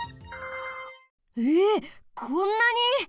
えこんなに？